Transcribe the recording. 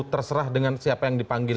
terserah dengan siapa yang dipanggil